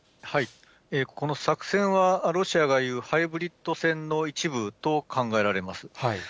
この作戦はロシアがいうハイブリッド戦の一部と考えられます。